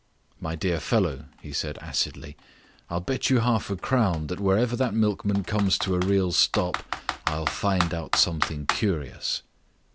"My dear fellow," he said acidly, "I'll bet you half a crown that wherever that milkman comes to a real stop I'll find out something curious."